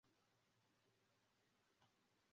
bikabafasha gutuma abagore banyu bahama hamwe